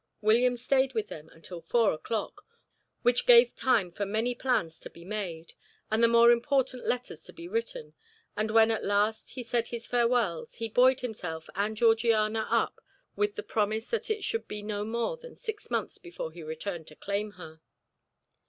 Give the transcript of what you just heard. William stayed with them until four o'clock, which gave time for many plans to be made, and the more important letters to be written, and when at last he said his farewells he buoyed himself and Georgiana up with the promise that it should be no more than six months before he returned to claim her.